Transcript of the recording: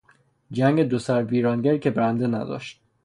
جنگ دو سو ویرانگری که برنده نداشت